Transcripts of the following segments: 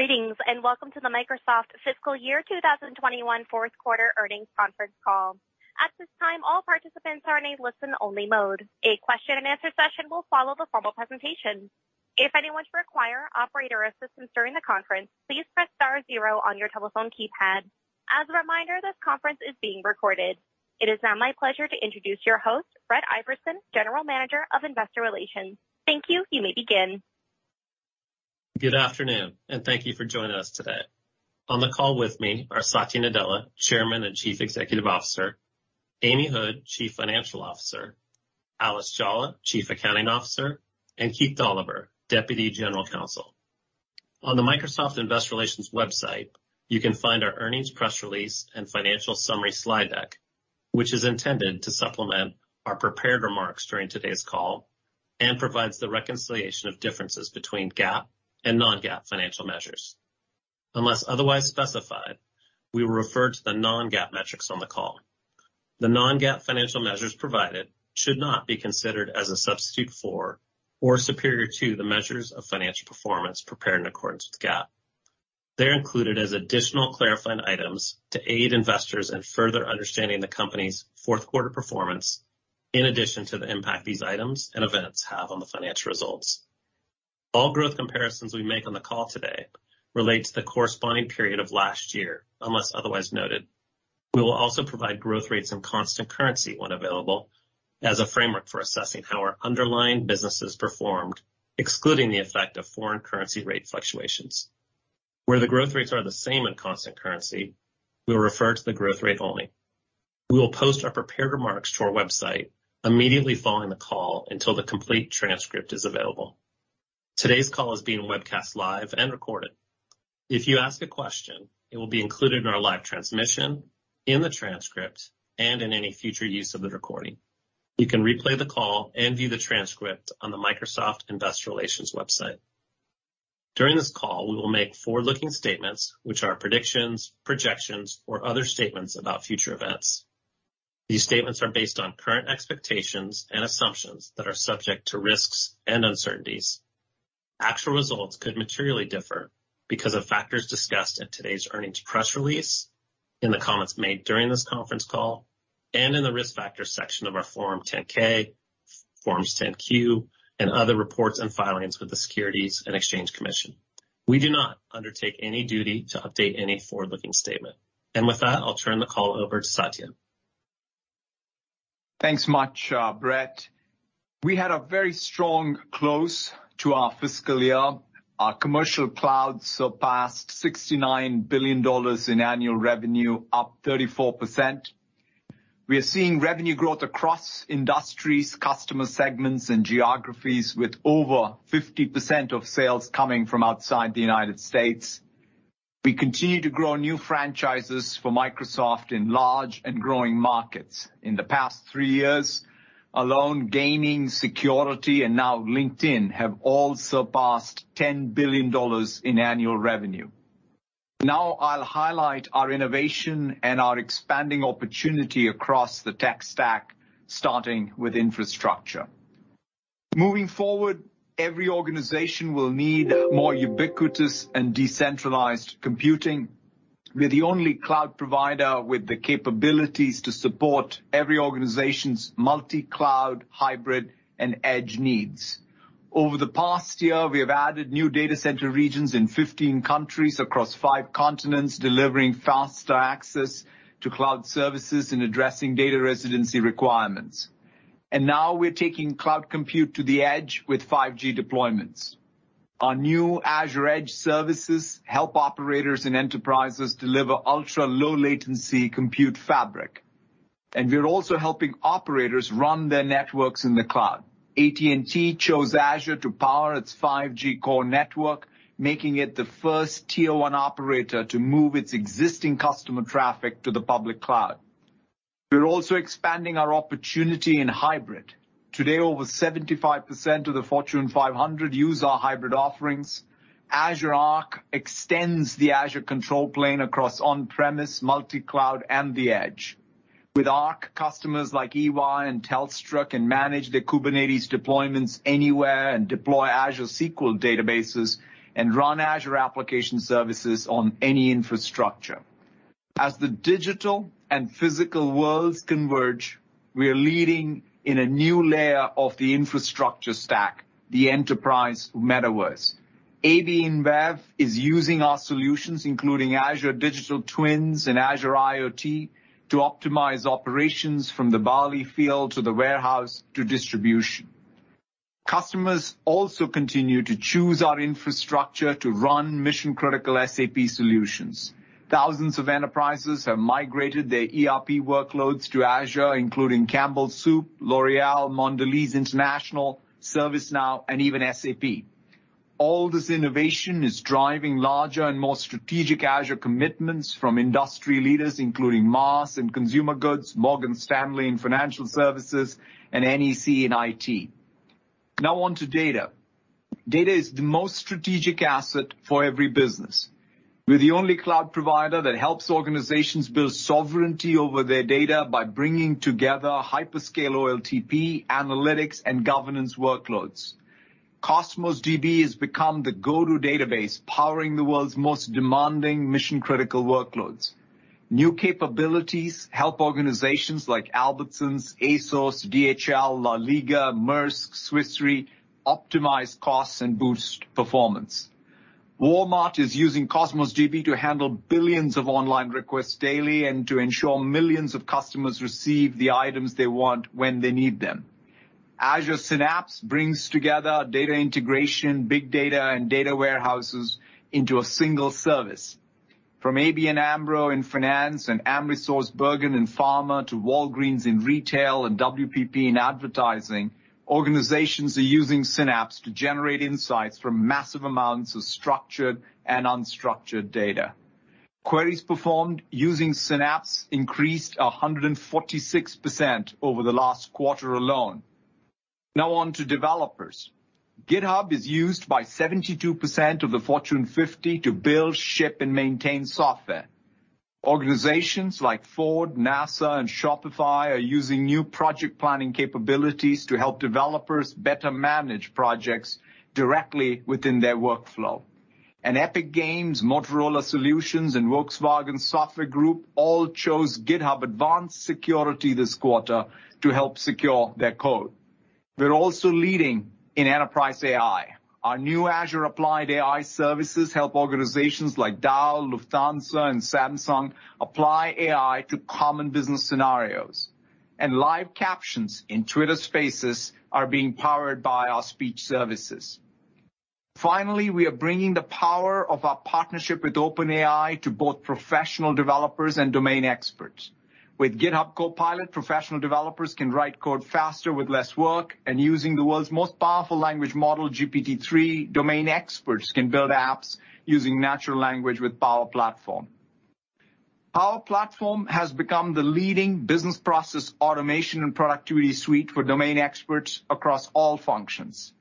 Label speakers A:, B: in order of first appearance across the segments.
A: Greetings, and welcome to the Microsoft Fiscal Year 2021 fourth quarter earnings conference call. At this time, all participants are in listen-only mode. A question-and-answer session will follow the formal presentation. If anyone require operator assistance during the conference, please press star zero on your telephone keypad. As a reminder, this conference is being recorded. It is now my pleasure to introduce your host, Brett Iversen, General Manager of Investor Relations. Thank you. You may begin.
B: Good afternoon, thank you for joining us today. On the call with me are Satya Nadella, Chairman and Chief Executive Officer, Amy Hood, Chief Financial Officer, Alice Jolla, Chief Accounting Officer, and Keith Dolliver, Deputy General Counsel. On the Microsoft Investor Relations website, you can find our earnings press release and financial summary slide deck, which is intended to supplement our prepared remarks during today's call and provides the reconciliation of differences between GAAP and non-GAAP financial measures. Unless otherwise specified, we will refer to the non-GAAP metrics on the call. The non-GAAP financial measures provided should not be considered as a substitute for or superior to the measures of financial performance prepared in accordance with GAAP. They're included as additional clarifying items to aid investors in further understanding the company's fourth quarter performance in addition to the impact these items and events have on the financial results. All growth comparisons we make on the call today relate to the corresponding period of last year, unless otherwise noted. We will also provide growth rates and constant currency when available as a framework for assessing how our underlying businesses performed, excluding the effect of foreign currency rate fluctuations. Where the growth rates are the same in constant currency, we will refer to the growth rate only. We will post our prepared remarks to our website immediately following the call until the complete transcript is available. Today's call is being webcast live and recorded. If you ask a question, it will be included in our live transmission, in the transcript, and in any future use of the recording. You can replay the call and view the transcript on the Microsoft Investor Relations website. During this call, we will make forward-looking statements which are predictions, projections, or other statements about future events. These statements are based on current expectations and assumptions that are subject to risks and uncertainties. Actual results could materially differ because of factors discussed in today's earnings press release, in the comments made during this conference call, and in the Risk Factors section of our Form 10-K, Form 10-Q, and other reports and filings with the Securities and Exchange Commission. We do not undertake any duty to update any forward-looking statement. With that, I'll turn the call over to Satya.
C: Thanks much, Brett. We had a very strong close to our fiscal year. Our commercial cloud surpassed $69 billion in annual revenue, up 34%. We are seeing revenue growth across industries, customer segments, and geographies, with over 50% of sales coming from outside the U.S. We continue to grow new franchises for Microsoft in large and growing markets. In the past three years alone, Gaming, Security, and now LinkedIn have all surpassed $10 billion in annual revenue. I'll highlight our innovation and our expanding opportunity across the tech stack, starting with infrastructure. Moving forward, every organization will need more ubiquitous and decentralized computing. We're the only cloud provider with the capabilities to support every organization's multi-cloud, hybrid, and edge needs. Over the past year, we have added new data center regions in 15 countries across five continents, delivering faster access to cloud services and addressing data residency requirements. Now we're taking cloud compute to the edge with 5G deployments. Our new Azure Edge services help operators and enterprises deliver ultra-low latency compute fabric. We're also helping operators run their networks in the cloud. AT&T chose Azure to power its 5G core network, making it the first Tier 1 operator to move its existing customer traffic to the public cloud. We're also expanding our opportunity in hybrid. Today, over 75% of the Fortune 500 use our hybrid offerings. Azure Arc extends the Azure control plane across on-premise, multi-cloud, and the edge. With Arc, customers like EY and Telstra can manage their Kubernetes deployments anywhere and deploy Azure SQL databases and run Azure application services on any infrastructure. As the digital and physical worlds converge, we are leading in a new layer of the infrastructure stack, the enterprise metaverse. AB InBev is using our solutions, including Azure Digital Twins and Azure IoT, to optimize operations from the barley field to the warehouse to distribution. Customers also continue to choose our infrastructure to run mission-critical SAP solutions. Thousands of enterprises have migrated their ERP workloads to Azure, including Campbell Soup, L'Oréal, Mondelez International, ServiceNow, and even SAP. All this innovation is driving larger and more strategic Azure commitments from industry leaders, including Mars in consumer goods, Morgan Stanley in financial services, and NEC in IT. Now on to data. Data is the most strategic asset for every business. We're the only cloud provider that helps organizations build sovereignty over their data by bringing together hyperscale OLTP, analytics, and governance workloads. Cosmos DB has become the go-to database powering the world's most demanding mission-critical workloads. New capabilities help organizations like Albertsons, ASOS, DHL, LaLiga, Maersk, Swiss Re optimize costs and boost performance. Walmart is using Cosmos DB to handle billions of online requests daily and to ensure millions of customers receive the items they want when they need them. Azure Synapse brings together data integration, big data, and data warehouses into a single service. From ABN AMRO in finance and AmerisourceBergen in pharma to Walgreens in retail and WPP in advertising, organizations are using Synapse to generate insights from massive amounts of structured and unstructured data. Queries performed using Synapse increased 146% over the last quarter alone. Now on to developers. GitHub is used by 72% of the Fortune 50 to build, ship, and maintain software. Organizations like Ford, NASA, and Shopify are using new project planning capabilities to help developers better manage projects directly within their workflow. Epic Games, Motorola Solutions, and Volkswagen's software group all chose GitHub Advanced Security this quarter to help secure their code. We are also leading in enterprise AI. Our new Azure Applied AI Services help organizations like Dow, Lufthansa, and Samsung apply AI to common business scenarios. Live captions in Twitter Spaces are being powered by our speech services. Finally, we are bringing the power of our partnership with OpenAI to both professional developers and domain experts. With GitHub Copilot, professional developers can write code faster with less work, and using the world's most powerful language model, GPT-3, domain experts can build apps using natural language with Power Platform. Power Platform has become the leading business process automation and productivity suite for domain experts across all functions.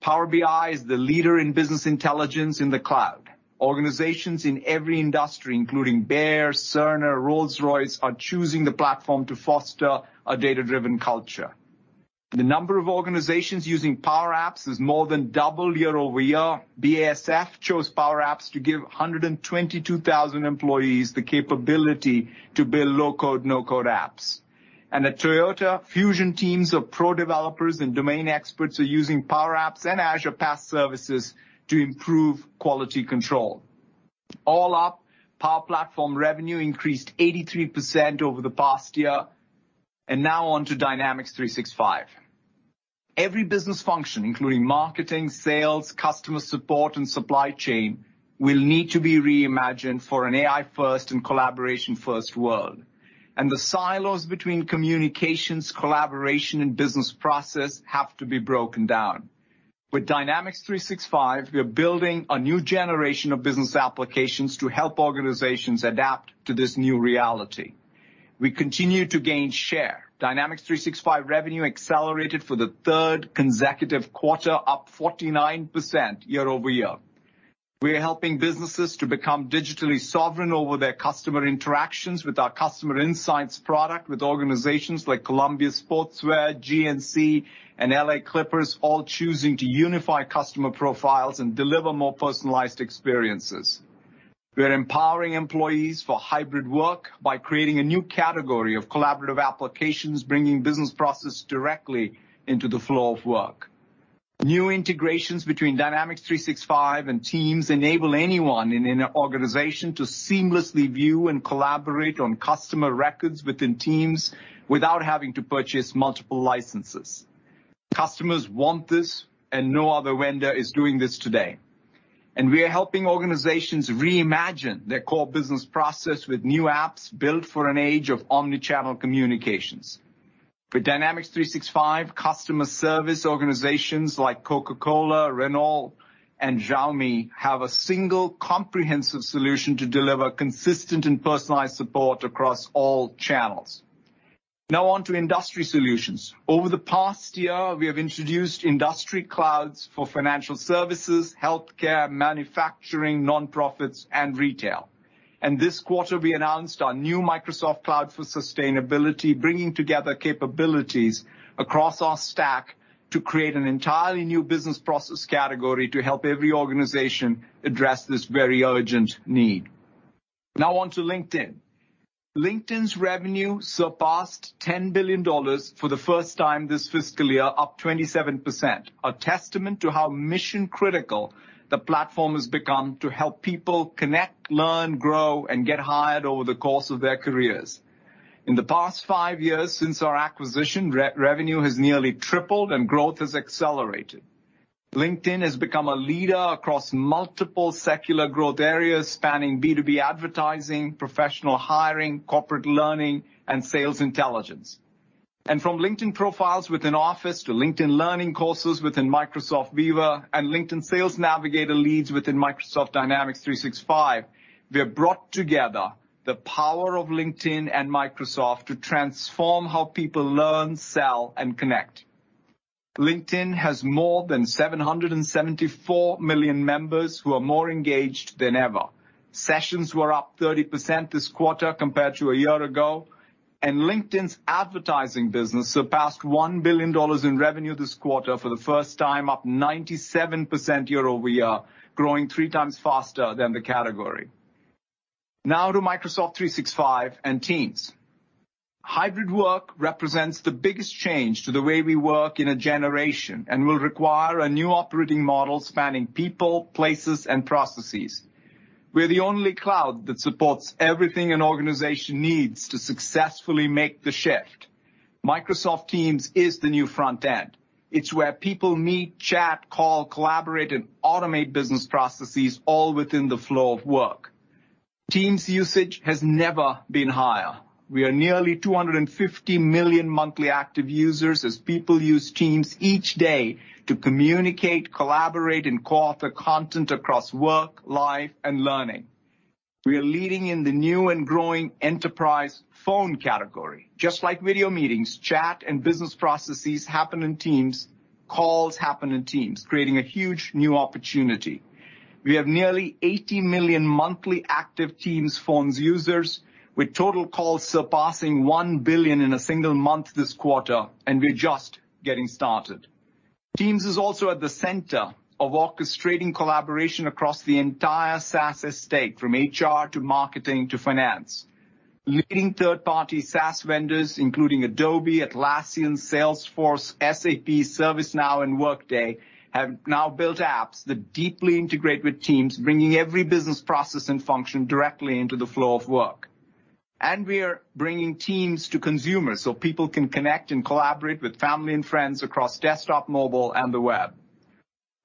C: Power BI is the leader in business intelligence in the cloud. Organizations in every industry, including Bayer, Cerner, Rolls-Royce, are choosing the platform to foster a data-driven culture. The number of organizations using Power Apps has more than doubled year-over-year. BASF chose Power Apps to give 122,000 employees the capability to build low-code, no-code apps. At Toyota, fusion teams of pro developers and domain experts are using Power Apps and Azure PaaS services to improve quality control. All up, Power Platform revenue increased 83% over the past year. Now on to Dynamics 365. Every business function, including marketing, sales, customer support, and supply chain, will need to be reimagined for an AI-first and collaboration-first world. The silos between communications, collaboration, and business process have to be broken down. With Dynamics 365, we are building a new generation of business applications to help organizations adapt to this new reality. We continue to gain share. Dynamics 365 revenue accelerated for the third consecutive quarter, up 49% year-over-year. We are helping businesses to become digitally sovereign over their customer interactions with our Customer Insights product with organizations like Columbia Sportswear, GNC, and L.A. Clippers all choosing to unify customer profiles and deliver more personalized experiences. We are empowering employees for hybrid work by creating a new category of collaborative applications, bringing business process directly into the flow of work. New integrations between Dynamics 365 and Teams enable anyone in an organization to seamlessly view and collaborate on customer records within Teams without having to purchase multiple licenses. Customers want this, and no other vendor is doing this today. We are helping organizations reimagine their core business process with new apps built for an age of omni-channel communications. With Dynamics 365, customer service organizations like Coca-Cola, Renault, and Xiaomi have a single comprehensive solution to deliver consistent and personalized support across all channels. Now on to industry solutions. Over the past year, we have introduced industry clouds for financial services, healthcare, manufacturing, nonprofits, and retail. This quarter, we announced our new Microsoft Cloud for Sustainability, bringing together capabilities across our stack to create an entirely new business process category to help every organization address this very urgent need. Now on to LinkedIn. LinkedIn's revenue surpassed $10 billion for the first time this fiscal year, up 27%, a testament to how mission-critical the platform has become to help people connect, learn, grow, and get hired over the course of their careers. In the past five years since our acquisition, revenue has nearly tripled and growth has accelerated. LinkedIn has become a leader across multiple secular growth areas spanning B2B advertising, professional hiring, corporate learning, and sales intelligence. From LinkedIn profiles within Office to LinkedIn learning courses within Microsoft Viva and LinkedIn Sales Navigator leads within Microsoft Dynamics 365, we have brought together the power of LinkedIn and Microsoft to transform how people learn, sell, and connect. LinkedIn has more than 774 million members who are more engaged than ever. Sessions were up 30% this quarter compared to a year ago, and LinkedIn's advertising business surpassed $1 billion in revenue this quarter for the first time, up 97% year-over-year, growing 3x faster than the category. Now to Microsoft 365 and Teams. Hybrid work represents the biggest change to the way we work in a generation and will require a new operating model spanning people, places, and processes. We're the only cloud that supports everything an organization needs to successfully make the shift. Microsoft Teams is the new front end. It's where people meet, chat, call, collaborate, and automate business processes all within the flow of work. Teams usage has never been higher. We are nearly 250 million monthly active users as people use Teams each day to communicate, collaborate, and co-author content across work, life, and learning. We are leading in the new and growing enterprise phone category. Just like video meetings, chat, and business processes happen in Teams, calls happen in Teams, creating a huge new opportunity. We have nearly 80 million monthly active Teams phones users with total calls surpassing 1 billion in a single month this quarter, and we're just getting started. Teams is also at the center of orchestrating collaboration across the entire SaaS estate, from HR to marketing to finance. Leading third-party SaaS vendors, including Adobe, Atlassian, Salesforce, SAP, ServiceNow, and Workday, have now built apps that deeply integrate with Teams, bringing every business process and function directly into the flow of work. We are bringing Teams to consumers, so people can connect and collaborate with family and friends across desktop, mobile, and the web.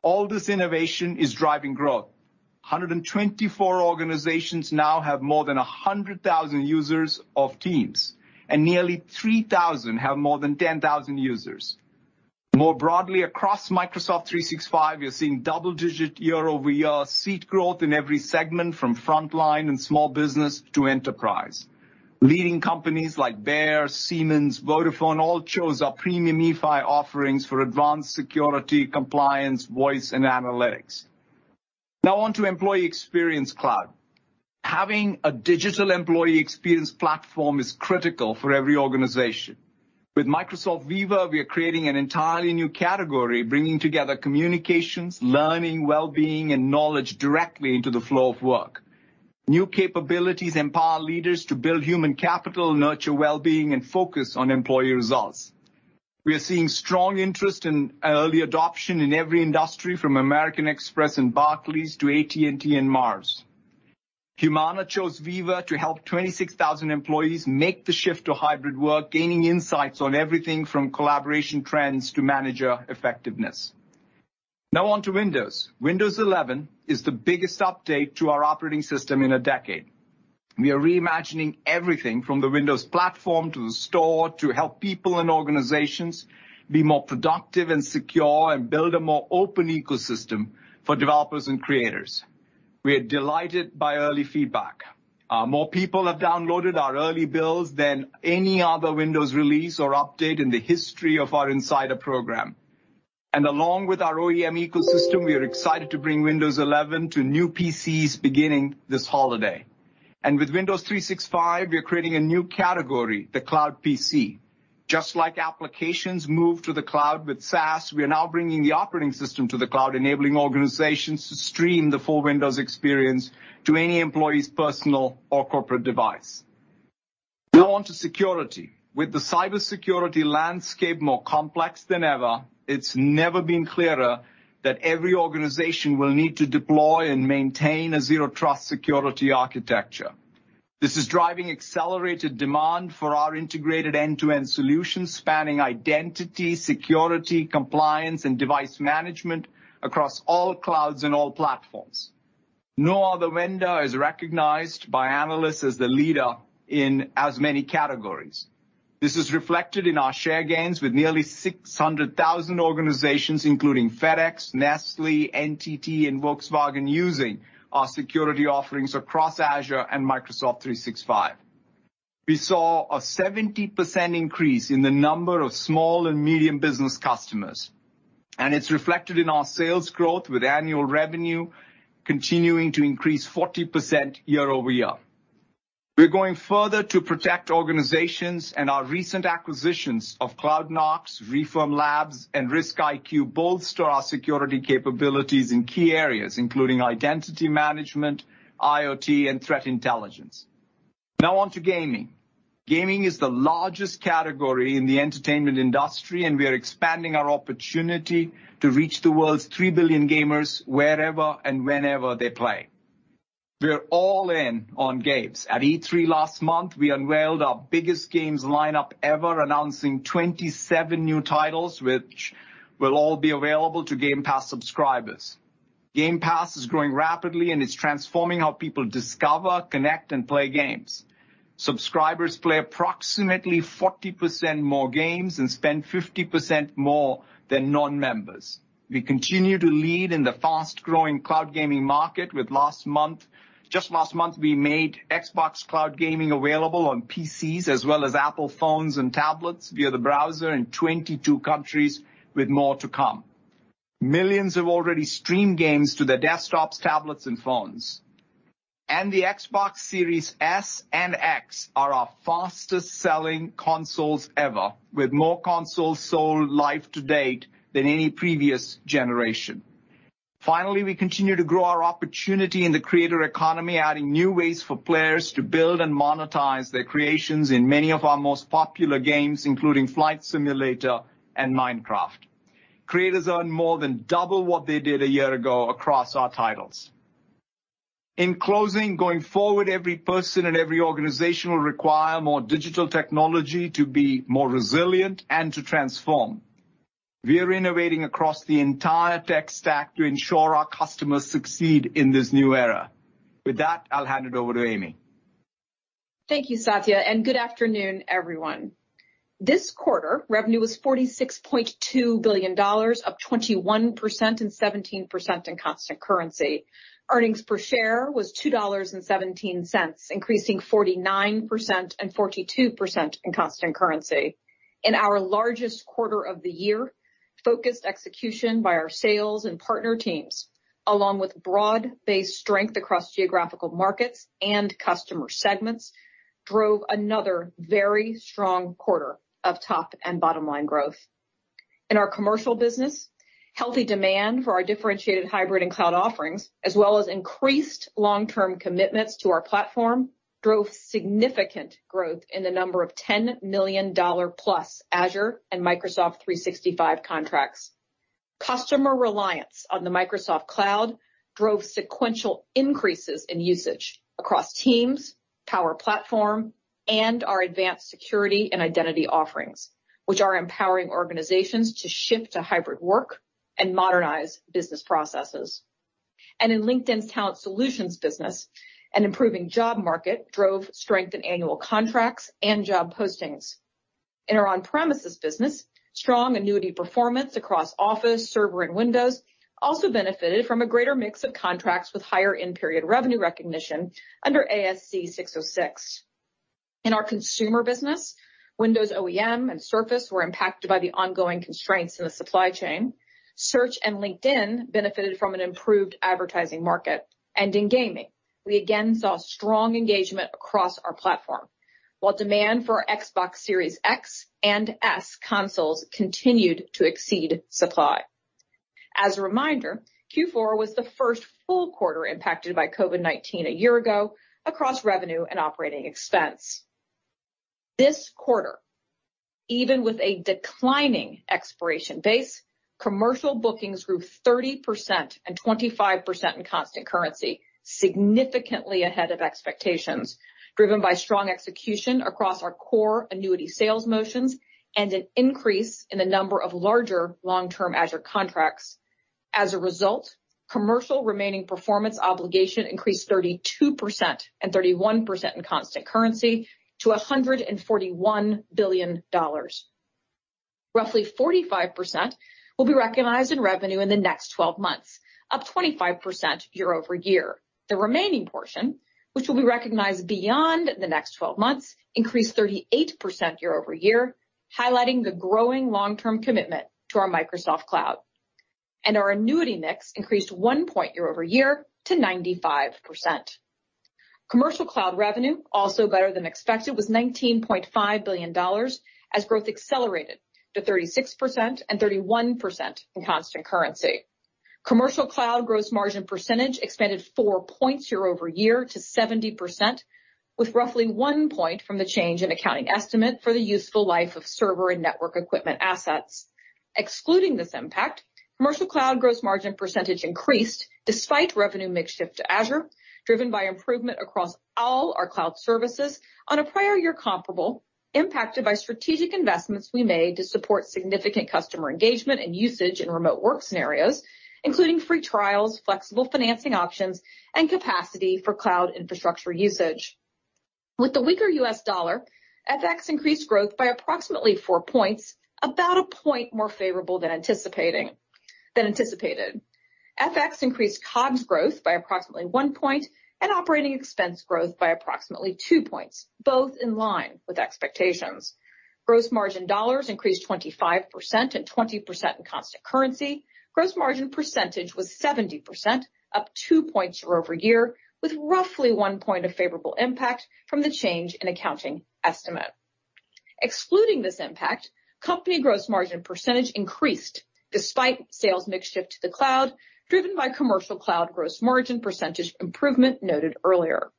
C: All this innovation is driving growth. 124 organizations now have more than 100,000 users of Teams, and nearly 3,000 have more than 10,000 users. More broadly, across Microsoft 365, we are seeing double-digit year-over-year seat growth in every segment from frontline and small business to enterprise. Leading companies like Bayer, Siemens, Vodafone all chose our premium E5 offerings for advanced security, compliance, voice, and analytics. Now on to employee experience cloud. Having a digital employee experience platform is critical for every organization. With Microsoft Viva, we are creating an entirely new category, bringing together communications, learning, well-being, and knowledge directly into the flow of work. New capabilities empower leaders to build human capital, nurture well-being, and focus on employee results. We are seeing strong interest in early adoption in every industry from American Express and Barclays to AT&T and Mars. Humana chose Viva to help 26,000 employees make the shift to hybrid work, gaining insights on everything from collaboration trends to manager effectiveness. Now on to Windows. Windows 11 is the biggest update to our operating system in a decade. We are reimagining everything from the Windows platform to the store to help people and organizations be more productive and secure and build a more open ecosystem for developers and creators. We are delighted by early feedback. More people have downloaded our early builds than any other Windows release or update in the history of our insider program. Along with our OEM ecosystem, we are excited to bring Windows 11 to new PCs beginning this holiday. With Windows 365, we are creating a new category, the Cloud PC. Just like applications move to the cloud with SaaS, we are now bringing the operating system to the cloud, enabling organizations to stream the full Windows experience to any employee's personal or corporate device. Now onto security. With the cybersecurity landscape more complex than ever, it's never been clearer that every organization will need to deploy and maintain a zero trust security architecture. This is driving accelerated demand for our integrated end-to-end solutions spanning identity, security, compliance, and device management across all clouds and all platforms. No other vendor is recognized by analysts as the leader in as many categories. This is reflected in our share gains with nearly 600,000 organizations, including FedEx, Nestlé, NTT, and Volkswagen, using our security offerings across Azure and Microsoft 365. We saw a 70% increase in the number of small and medium business customers, and it's reflected in our sales growth with annual revenue continuing to increase 40% year-over-year. We're going further to protect organizations and our recent acquisitions of CloudKnox, ReFirm Labs, and RiskIQ bolster our security capabilities in key areas, including identity management, IoT, and threat intelligence. Now on to gaming. Gaming is the largest category in the entertainment industry, and we are expanding our opportunity to reach the world's 3 billion gamers wherever and whenever they play. We're all in on games. At E3 last month, we unveiled our biggest games lineup ever, announcing 27 new titles which will all be available to Game Pass subscribers. Game Pass is growing rapidly, and it's transforming how people discover, connect, and play games. Subscribers play approximately 40% more games and spend 50% more than non-members. We continue to lead in the fast-growing cloud gaming market. Just last month, we made Xbox Cloud Gaming available on PCs as well as Apple phones and tablets via the browser in 22 countries, with more to come. Millions have already streamed games to their desktops, tablets, and phones. The Xbox Series S and X are our fastest-selling consoles ever, with more consoles sold life to date than any previous generation. Finally, we continue to grow our opportunity in the creator economy, adding new ways for players to build and monetize their creations in many of our most popular games, including Flight Simulator and Minecraft. Creators earn more than double what they did a year ago across our titles. In closing, going forward, every person and every organization will require more digital technology to be more resilient and to transform. We are innovating across the entire tech stack to ensure our customers succeed in this new era. With that, I'll hand it over to Amy.
D: Thank you, Satya, and good afternoon, everyone. This quarter, revenue was $46.2 billion, up 21% and 17% in constant currency. Earnings per share was $2.17, increasing 49% and 42% in constant currency. In our largest quarter of the year, focused execution by our sales and partner teams, along with broad-based strength across geographical markets and customer segments, drove another very strong quarter of top and bottom-line growth. In our commercial business, healthy demand for our differentiated hybrid and cloud offerings, as well as increased long-term commitments to our platform, drove significant growth in the number of $10+ million Azure and Microsoft 365 contracts. Customer reliance on the Microsoft Cloud drove sequential increases in usage across Teams, Power Platform, and our advanced security and identity offerings, which are empowering organizations to shift to hybrid work and modernize business processes. In LinkedIn's Talent Solutions business, an improving job market drove strength in annual contracts and job postings. In our on-premises business, strong annuity performance across Office, Server, and Windows also benefited from a greater mix of contracts with higher in-period revenue recognition under ASC 606. In our consumer business, Windows OEM and Surface were impacted by the ongoing constraints in the supply chain. Search and LinkedIn benefited from an improved advertising market. In gaming, we again saw strong engagement across our platform, while demand for our Xbox Series X and S consoles continued to exceed supply. As a reminder, Q4 was the first full quarter impacted by COVID-19 a year ago across revenue and operating expense. This quarter, even with a declining expiration base, commercial bookings grew 30% and 25% in constant currency, significantly ahead of expectations, driven by strong execution across our core annuity sales motions and an increase in the number of larger long-term Azure contracts. As a result, commercial remaining performance obligation increased 32% and 31% in constant currency to $141 billion. Roughly 45% will be recognized in revenue in the next 12 months, up 25% year-over-year. The remaining portion, which will be recognized beyond the next 12 months, increased 38% year-over-year, highlighting the growing long-term commitment to our Microsoft Cloud. Our annuity mix increased one point year-over-year to 95%. Commercial cloud revenue, also better than expected, was $19.5 billion as growth accelerated to 36% and 31% in constant currency. Commercial cloud gross margin percentage expanded 4 points year-over-year to 70%, with roughly 1 point from the change in accounting estimate for the useful life of server and network equipment assets. Excluding this impact, commercial cloud gross margin percentage increased despite revenue mix shift to Azure, driven by improvement across all our cloud services on a prior year comparable impacted by strategic investments we made to support significant customer engagement and usage in remote work scenarios, including free trials, flexible financing options, and capacity for cloud infrastructure usage. With the weaker U.S. dollar, FX increased growth by approximately 4 points, about 1 point more favorable than anticipated. FX increased COGS growth by approximately 1 point and operating expense growth by approximately 2 points, both in line with expectations. Gross margin dollars increased 25% and 20% in constant currency. Gross margin percentage was 70%, up 2 points year-over-year, with roughly 1 point of favorable impact from the change in accounting estimate. Excluding this impact, company gross margin percentage increased despite sales mix shift to the cloud, driven by commercial cloud gross margin percentage improvement noted earlier.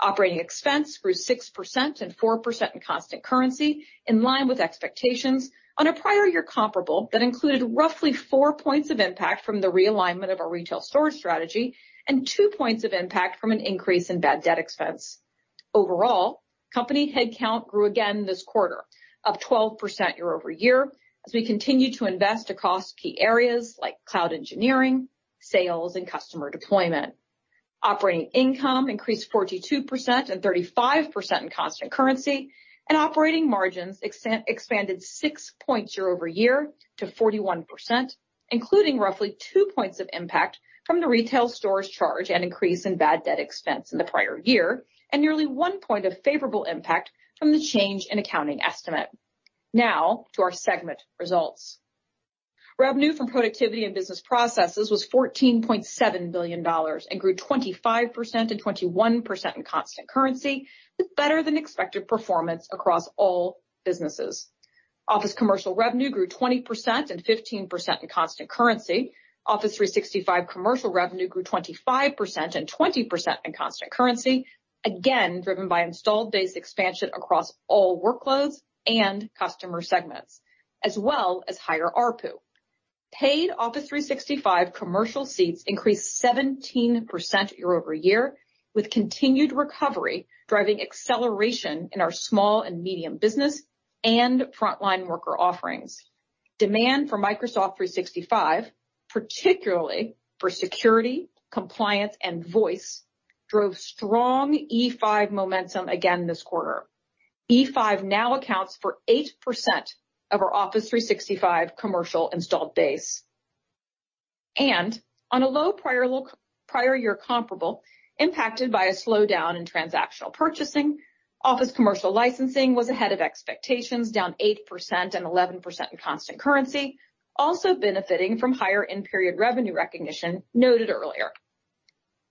D: Operating expense grew 6% and 4% in constant currency, in line with expectations on a prior year comparable that included roughly 4 points of impact from the realignment of our retail store strategy and 2 points of impact from an increase in bad debt expense. Overall, company headcount grew again this quarter, up 12% year-over-year, as we continue to invest across key areas like cloud engineering, sales, and customer deployment. Operating income increased 42% and 35% in constant currency, and operating margins expanded 6 points year-over-year to 41%, including roughly 2 points of impact from the retail stores charge and increase in bad debt expense in the prior year, and nearly 1 point of favorable impact from the change in accounting estimate. Now to our segment results. Revenue from Productivity and Business Processes was $14.7 billion and grew 25% and 21% in constant currency with better than expected performance across all businesses. Office Commercial Revenue grew 20% and 15% in constant currency. Office 365 commercial revenue grew 25% and 20% in constant currency, again, driven by installed base expansion across all workloads and customer segments, as well as higher ARPU. Paid Office 365 commercial seats increased 17% year-over-year with continued recovery driving acceleration in our small and medium business and frontline worker offerings. Demand for Microsoft 365, particularly for security, compliance, and voice, drove strong E5 momentum again this quarter. E5 now accounts for 8% of our Office 365 commercial installed base. On a low prior-year comparable impacted by a slowdown in transactional purchasing, Office commercial licensing was ahead of expectations down 8% and 11% in constant currency, also benefiting from higher in-period revenue recognition noted earlier.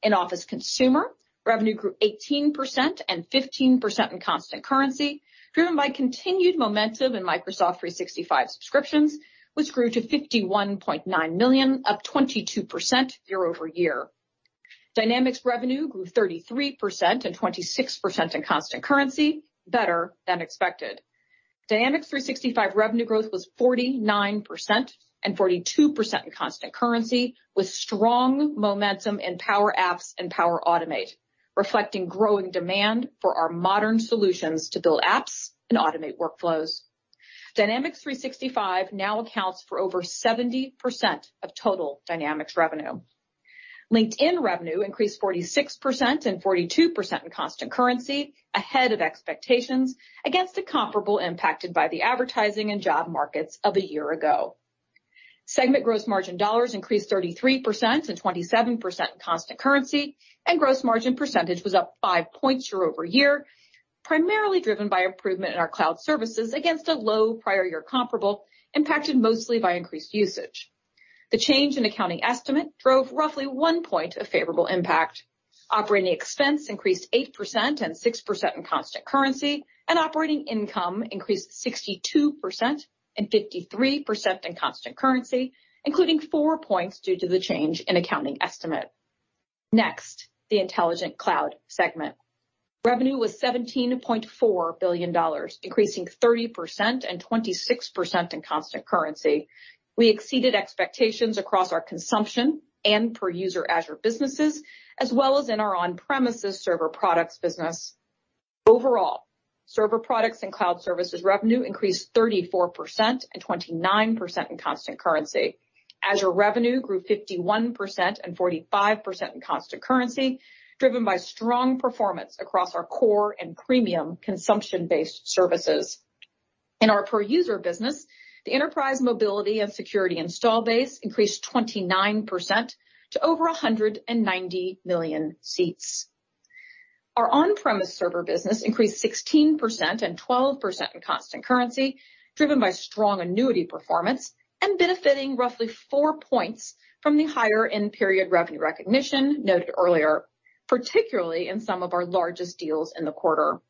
D: In Office Consumer, revenue grew 18% and 15% in constant currency, driven by continued momentum in Microsoft 365 subscriptions, which grew to $51.9 million, up 22% year-over-year. Dynamics revenue grew 33% and 26% in constant currency, better than expected. Dynamics 365 revenue growth was 49% and 42% in constant currency with strong momentum in Power Apps and Power Automate, reflecting growing demand for our modern solutions to build apps and automate workflows. Dynamics 365 now accounts for over 70% of total Dynamics revenue. LinkedIn revenue increased 46% and 42% in constant currency ahead of expectations against a comparable impacted by the advertising and job markets of a year ago. Segment gross margin dollars increased 33% and 27% in constant currency, and gross margin percentage was up 5 points year-over-year, primarily driven by improvement in our cloud services against a low prior year comparable, impacted mostly by increased usage. The change in accounting estimate drove roughly 1 point of favorable impact. Operating expense increased 8% and 6% in constant currency, and operating income increased 62% and 53% in constant currency, including 4 points due to the change in accounting estimate. Next, the Intelligent Cloud segment. Revenue was $17.4 billion, increasing 30% and 26% in constant currency. We exceeded expectations across our consumption and per user Azure businesses, as well as in our on-premises server products business. Overall, server products and cloud services revenue increased 34% and 29% in constant currency. Azure revenue grew 51% and 45% in constant currency, driven by strong performance across our core and premium consumption-based services. In our per user business, the Enterprise Mobility plus Security install base increased 29% to over 190 million seats. Our on-premise server business increased 16% and 12% in constant currency, driven by strong annuity performance and benefiting roughly 4 points from the higher end period revenue recognition noted earlier, particularly in some of our largest deals in the quarter.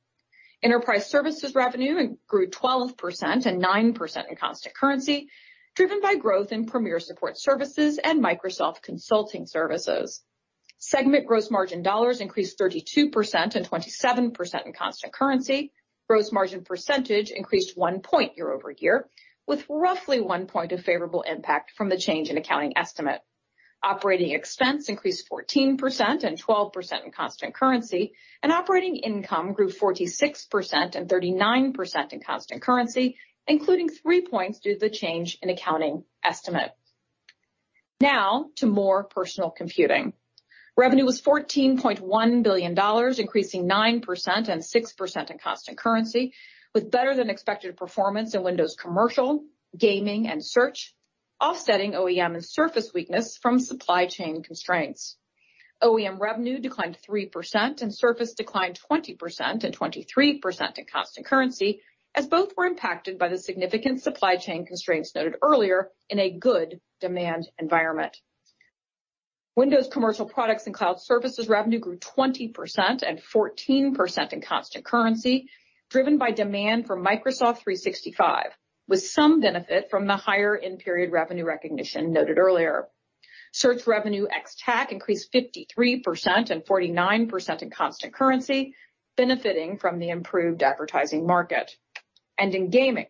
D: Enterprise services revenue grew 12% and 9% in constant currency, driven by growth in Premier Support Services and Microsoft Consulting Services. Segment gross margin dollars increased 32% and 27% in constant currency. Gross margin percentage increased 1 point year-over-year with roughly 1 point of favorable impact from the change in accounting estimate. OpEx increased 14% and 12% in constant currency, and operating income grew 46% and 39% in constant currency, including 3 points due to the change in accounting estimate. Now to more personal computing. Revenue was $14.1 billion, increasing 9% and 6% in constant currency with better than expected performance in Windows Commercial, gaming, and search, offsetting OEM and Surface weakness from supply chain constraints. OEM revenue declined 3% and Surface declined 20% and 23% in constant currency, as both were impacted by the significant supply chain constraints noted earlier in a good demand environment. Windows Commercial products and cloud services revenue grew 20% and 14% in constant currency driven by demand from Microsoft 365 with some benefit from the higher end period revenue recognition noted earlier. Search revenue ex TAC increased 53% and 49% in constant currency benefiting from the improved advertising market. In gaming,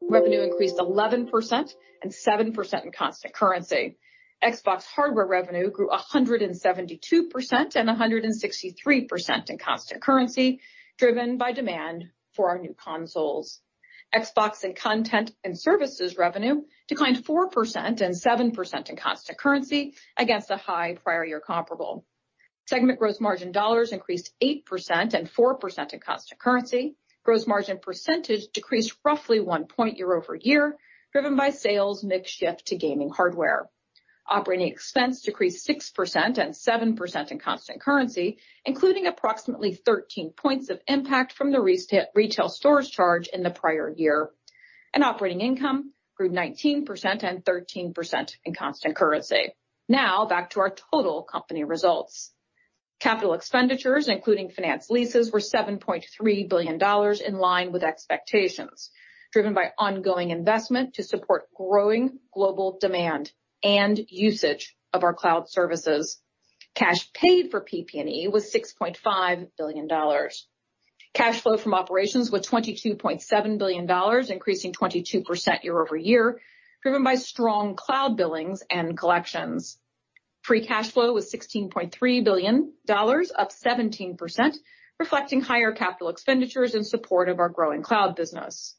D: revenue increased 11% and 7% in constant currency. Xbox hardware revenue grew 172% and 163% in constant currency driven by demand for our new consoles. Xbox in content and services revenue declined 4% and 7% in constant currency against a high prior year comparable. Segment gross margin dollars increased 8% and 4% in constant currency. Gross margin percentage decreased roughly 1 point year-over-year, driven by sales mix shift to gaming hardware. Operating expense decreased 6% and 7% in constant currency, including approximately 13 points of impact from the retail stores charge in the prior year. Operating income grew 19% and 13% in constant currency. Now back to our total company results. Capital expenditures, including finance leases, were $7.3 billion in line with expectations, driven by ongoing investment to support growing global demand and usage of our cloud services. Cash paid for PP&E was $6.5 billion. Cash flow from operations was $22.7 billion, increasing 22% year-over-year, driven by strong cloud billings and collections. Free cash flow was $16.3 billion, up 17%, reflecting higher capital expenditures in support of our growing cloud business.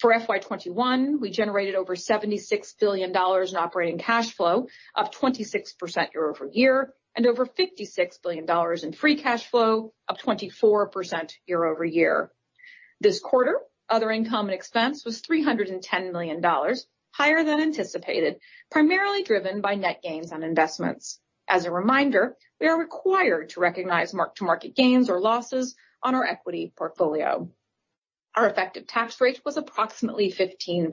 D: For FY 2021, we generated over $76 billion in operating cash flow, up 26% year-over-year, and over $56 billion in free cash flow, up 24% year-over-year. This quarter, other income and expense was $310 million, higher than anticipated, primarily driven by net gains on investments. As a reminder, we are required to recognize mark-to-market gains or losses on our equity portfolio. Our effective tax rate was approximately 15%.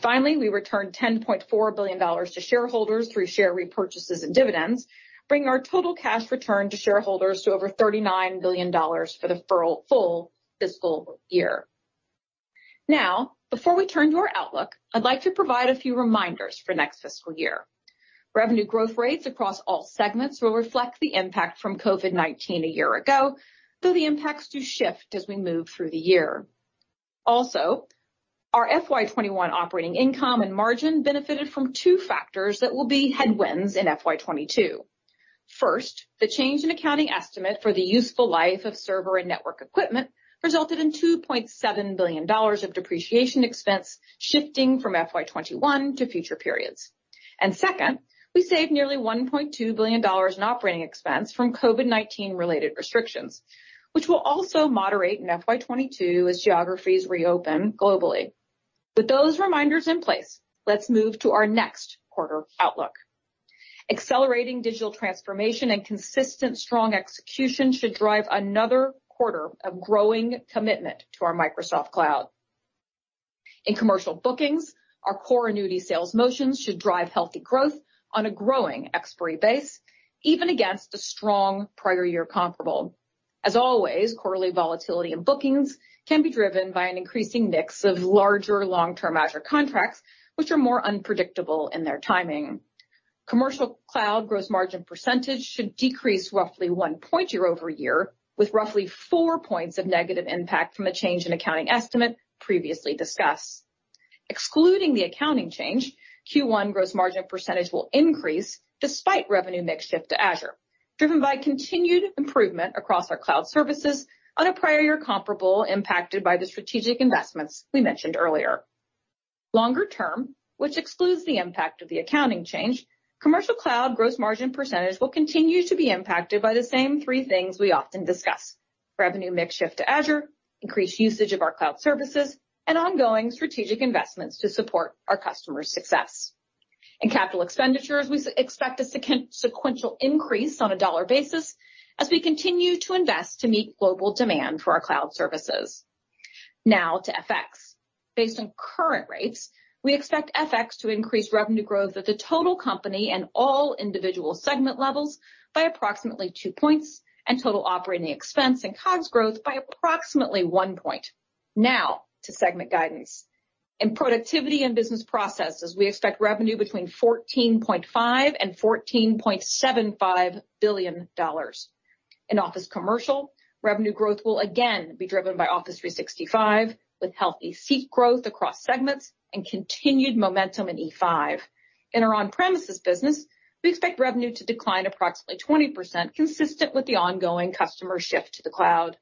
D: Finally, we returned $10.4 billion to shareholders through share repurchases and dividends, bringing our total cash return to shareholders to over $39 billion for the full fiscal year. Before we turn to our outlook, I'd like to provide a few reminders for next fiscal year. Revenue growth rates across all segments will reflect the impact from COVID-19 a year ago, though the impacts do shift as we move through the year. Our FY 2021 operating income and margin benefited from two factors that will be headwinds in FY 2022. The change in accounting estimate for the useful life of server and network equipment resulted in $2.7 billion of depreciation expense shifting from FY 2021 to future periods. Second, we saved nearly $1.2 billion in operating expense from COVID-19 related restrictions, which will also moderate in FY 2022 as geographies reopen globally. With those reminders in place, let's move to our next quarter outlook. Accelerating digital transformation and consistent strong execution should drive another quarter of growing commitment to our Microsoft Cloud. In commercial bookings, our core annuity sales motions should drive healthy growth on a growing expiry base, even against a strong prior year comparable. Always, quarterly volatility in bookings can be driven by an increasing mix of larger long-term Azure contracts, which are more unpredictable in their timing. Commercial cloud gross margin percentage should decrease roughly 1 point year-over-year, with roughly 4 points of negative impact from the change in accounting estimate previously discussed. Excluding the accounting change, Q1 gross margin percentage will increase despite revenue mix shift to Azure, driven by continued improvement across our cloud services on a prior year comparable impacted by the strategic investments we mentioned earlier. Longer term, which excludes the impact of the accounting change, commercial cloud gross margin percentage will continue to be impacted by the same three things we often discuss: revenue mix shift to Azure, increased usage of our cloud services, and ongoing strategic investments to support our customers' success. In capital expenditures, we expect a sequential increase on a dollar basis as we continue to invest to meet global demand for our cloud services. Now to FX. Based on current rates, we expect FX to increase revenue growth at the total company and all individual segment levels by approximately 2 points and total operating expense and COGS growth by approximately 1 point. Now to segment guidance. In Productivity and Business Processes, we expect revenue between $14.5 billion and $14.75 billion. In Office Commercial, revenue growth will again be driven by Office 365, with healthy seat growth across segments and continued momentum in E5. In our on-premises business, we expect revenue to decline approximately 20% consistent with the ongoing customer shift to the cloud.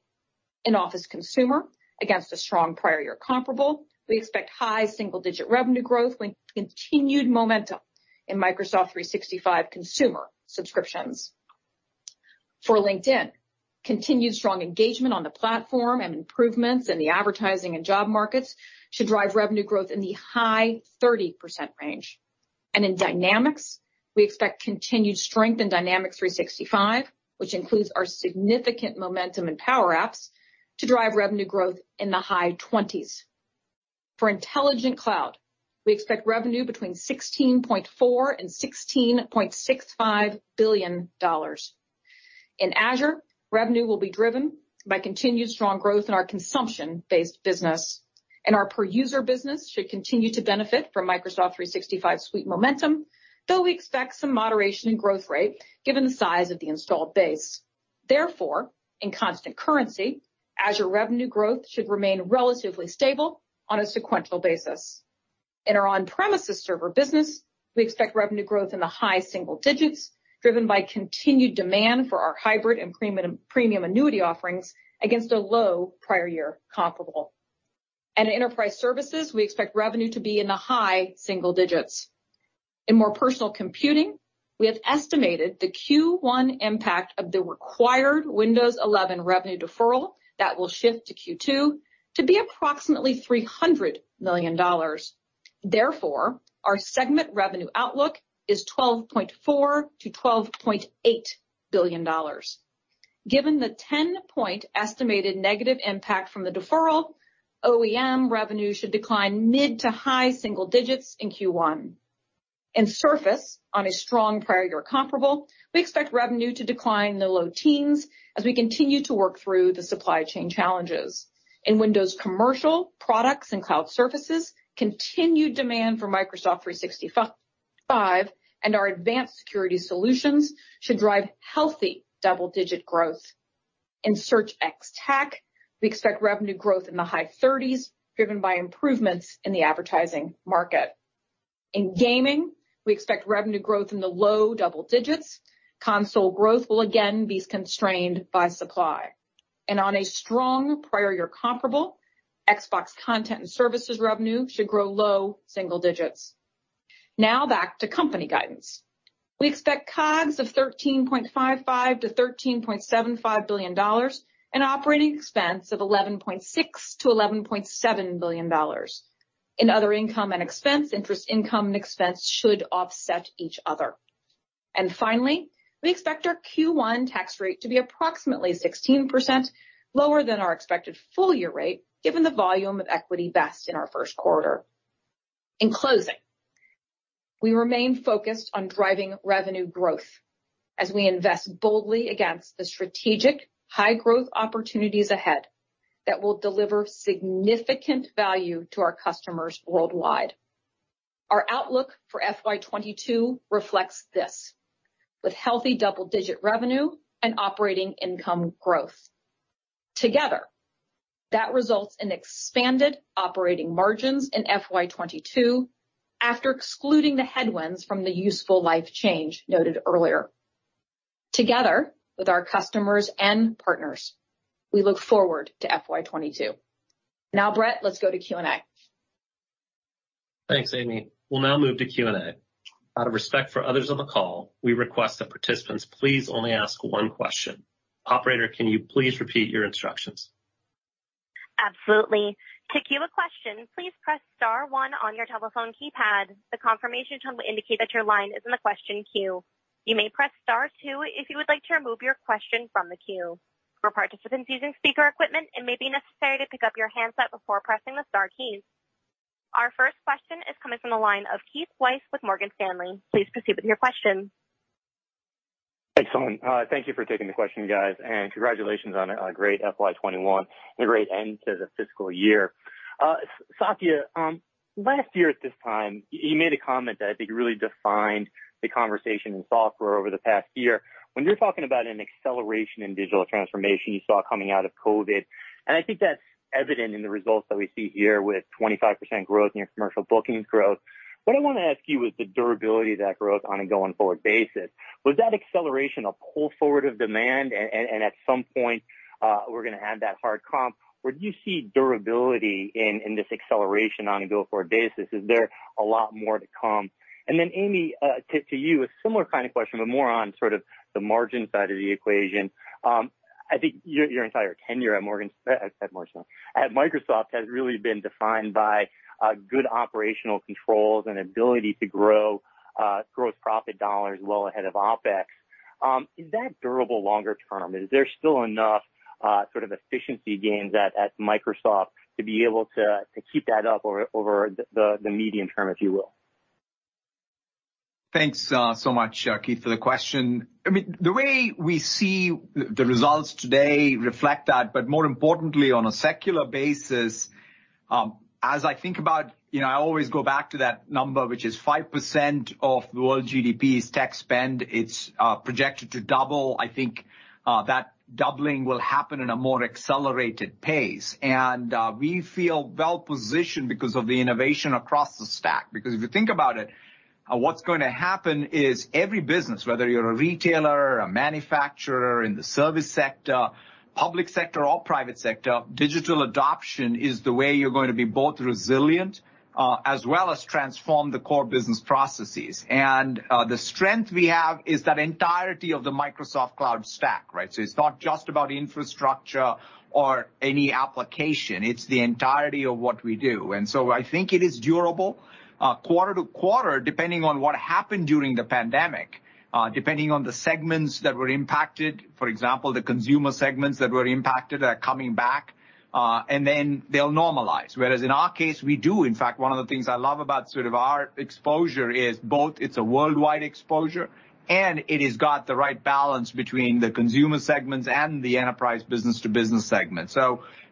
D: In Office Consumer, against a strong prior year comparable, we expect high single-digit revenue growth with continued momentum in Microsoft 365 consumer subscriptions. For LinkedIn, continued strong engagement on the platform and improvements in the advertising and job markets should drive revenue growth in the high 30% range. In Dynamics, we expect continued strength in Dynamics 365, which includes our significant momentum in Power Apps to drive revenue growth in the high 20%s. For Intelligent Cloud, we expect revenue between $16.4 billion and $16.65 billion. In Azure, revenue will be driven by continued strong growth in our consumption-based business, and our per-user business should continue to benefit from Microsoft 365 suite momentum, though we expect some moderation in growth rate given the size of the installed base. Therefore, in constant currency, Azure revenue growth should remain relatively stable on a sequential basis. In our on-premises server business, we expect revenue growth in the high single digits, driven by continued demand for our hybrid and premium annuity offerings against a low prior year comparable. In Enterprise Services, we expect revenue to be in the high single digits. In more personal computing. We have estimated the Q1 impact of the required Windows 11 revenue deferral that will shift to Q2 to be approximately $300 million. Therefore, our segment revenue outlook is $12.4 billion-$12.8 billion. Given the 10-point estimated negative impact from the deferral, OEM revenue should decline mid to high single digits in Q1. In Surface, on a strong prior year comparable, we expect revenue to decline in the low teens as we continue to work through the supply chain challenges. In Windows Commercial products and cloud services, continued demand for Microsoft 365 and our advanced security solutions should drive healthy double-digit growth. In Search ex TAC, we expect revenue growth in the high 30s given by improvements in the advertising market. In gaming, we expect revenue growth in the low double digits. Console growth will again be constrained by supply. On a strong prior year comparable, Xbox content and services revenue should grow low single digits. Back to company guidance. We expect COGS of $13.55 billion-$13.75 billion and operating expense of $11.6 billion-$11.7 billion. In other income and expense, interest income and expense should offset each other. Finally, we expect our Q1 tax rate to be approximately 16% lower than our expected full year rate given the volume of equity vest in our first quarter. In closing, we remain focused on driving revenue growth as we invest boldly against the strategic high growth opportunities ahead that will deliver significant value to our customers worldwide. Our outlook for FY 2022 reflects this with healthy double-digit revenue and operating income growth. That results in expanded operating margins in FY 2022 after excluding the headwinds from the useful life change noted earlier. Together, with our customers and partners, we look forward to FY 2022. Now, Brett, let's go to Q&A.
B: Thanks, Amy. We'll now move to Q&A. Out of respect for others on the call, we request that participants please only ask one question. Operator, can you please repeat your instructions?
A: Absolutely. To queue a question, please press star one on your telephone keypad. The confirmation tone will indicate that your line is in the question queue. You may press star two if you would like to remove your question from the queue. For participants using speaker equipment, it may be necessary to pick up your handset before pressing the star keys. Our first question is coming from the line of Keith Weiss with Morgan Stanley. Please proceed with your question.
E: Excellent. Thank you for taking the question, guys, and congratulations on a great FY 2021 and a great end to the fiscal year. Satya, last year at this time, you made a comment that I think really defined the conversation in software over the past year. When you're talking about an acceleration in digital transformation you saw coming out of COVID, and I think that's evident in the results that we see here with 25% growth in your commercial bookings growth. What I wanna ask you is the durability of that growth on a going forward basis. Was that acceleration a pull forward of demand and at some point, we're gonna have that hard comp? Where do you see durability in this acceleration on a go forward basis? Is there a lot more to come? Amy, to you, a similar kind of question, but more on sort of the margin side of the equation. I think your entire tenure at Morgan Stanley, at Microsoft has really been defined by good operational controls and ability to grow gross profit dollars well ahead of OpEx. Is that durable longer term? Is there still enough sort of efficiency gains at Microsoft to be able to keep that up over the medium term, if you will?
C: Thanks, so much, Keith, for the question. I mean, the way we see the results today reflect that, but more importantly, on a secular basis, as I think about, you know, I always go back to that number, which is 5% of the world GDP's tech spend. It's projected to double. I think that doubling will happen in a more accelerated pace. We feel well-positioned because of the innovation across the stack. Because if you think about it, what's going to happen is every business, whether you're a retailer, a manufacturer, in the service sector, public sector or private sector, digital adoption is the way you're going to be both resilient, as well as transform the core business processes. The strength we have is that entirety of the Microsoft Cloud stack, right? It's not just about infrastructure or any application, it's the entirety of what we do. I think it is durable, quarter to quarter, depending on what happened during the pandemic, depending on the segments that were impacted. The consumer segments that were impacted are coming back, and then they'll normalize. In our case, we do. In fact, one of the things I love about sort of our exposure is both it's a worldwide exposure, and it has got the right balance between the consumer segments and the enterprise business to business segment.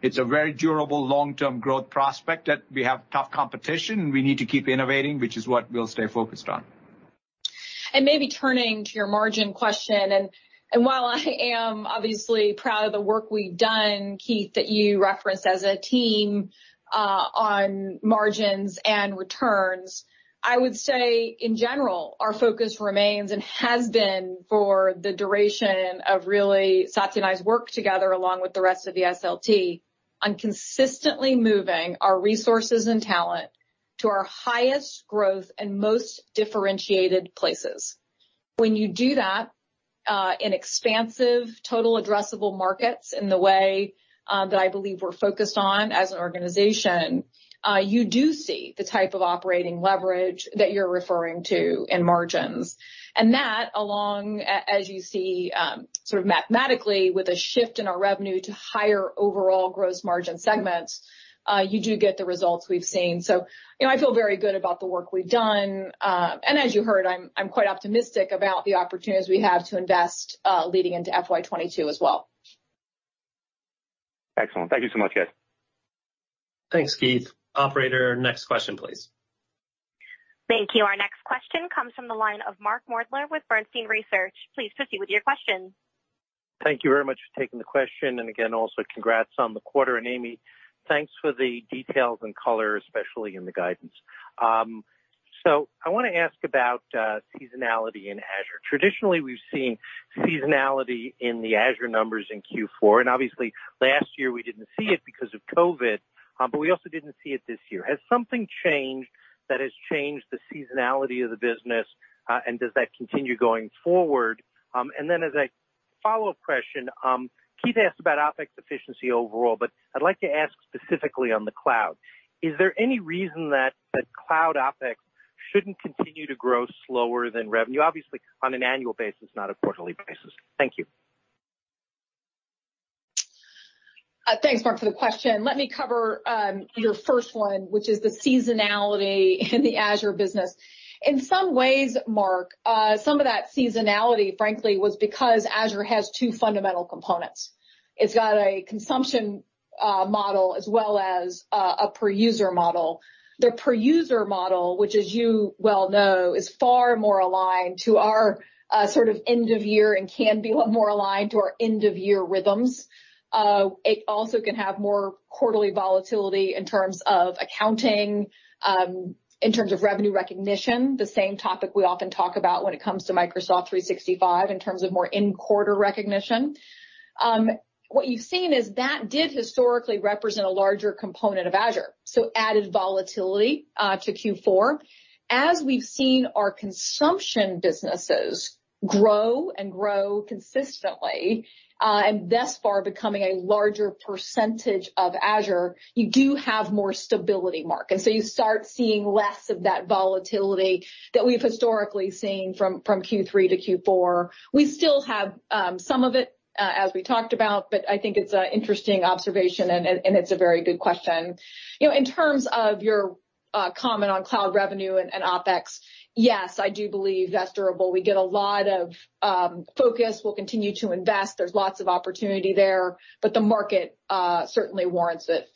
C: It's a very durable long-term growth prospect that we have tough competition, and we need to keep innovating, which is what we'll stay focused on.
D: Maybe turning to your margin question, and while I am obviously proud of the work we've done, Keith, that you referenced as a team, on margins and returns, I would say in general, our focus remains and has been for the duration of really Satya and I's work together along with the rest of the SLT consistently moving our resources and talent to our highest growth and most differentiated places. When you do that, in expansive total addressable markets in the way that I believe we're focused on as an organization, you do see the type of operating leverage that you're referring to in margins. That along as you see, sort of mathematically with a shift in our revenue to higher overall gross margin segments, you do get the results we've seen. You know, I feel very good about the work we've done. As you heard, I'm quite optimistic about the opportunities we have to invest leading into FY 2022 as well.
E: Excellent. Thank you so much, guys.
B: Thanks, Keith. Operator, next question, please.
A: Thank you. Our next question comes from the line of Mark Moerdler with Bernstein Research. Please proceed with your question.
F: Thank you very much for taking the question. Again, also congrats on the quarter. Amy, thanks for the details and color, especially in the guidance. I want to ask about seasonality in Azure. Traditionally, we've seen seasonality in the Azure numbers in Q4. Obviously last year we didn't see it because of COVID, but we also didn't see it this year. Has something changed that has changed the seasonality of the business? Does that continue going forward? As a follow-up question, Keith asked about OpEx efficiency overall, I'd like to ask specifically on the cloud. Is there any reason that cloud OpEx shouldn't continue to grow slower than revenue? Obviously, on an annual basis, not a quarterly basis. Thank you.
D: Thanks, Mark, for the question. Let me cover your first one, which is the seasonality in the Azure business. In some ways, Mark, some of that seasonality, frankly, was because Azure has 2 fundamental components. It's got a consumption model as well as a per user model. The per user model, which as you well know, is far more aligned to our sort of end of year and can be more aligned to our end of year rhythms. It also can have more quarterly volatility in terms of accounting, in terms of revenue recognition, the same topic we often talk about when it comes to Microsoft 365 in terms of more in quarter recognition. What you've seen is that did historically represent a larger component of Azure, so added volatility to Q4. As we've seen our consumption businesses grow and grow consistently, and thus far becoming a larger percentage of Azure, you do have more stability, Mark. You start seeing less of that volatility that we've historically seen from Q3 to Q4. We still have some of it, as we talked about, but I think it's an interesting observation and it's a very good question. You know, in terms of your comment on cloud revenue and OpEx, yes, I do believe that's durable. We get a lot of focus. We'll continue to invest. There's lots of opportunity there, but the market certainly warrants it.